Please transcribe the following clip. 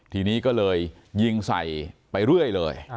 ทีนี้ก็เลยยิงใส่ไปเรื่อยเลย